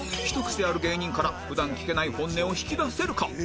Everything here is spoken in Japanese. ひと癖ある芸人から普段聞けない本音を引き出せるか？